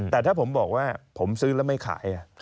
แต่ถ้าผมบอกว่าผมซื้อแล้วไม่ขาย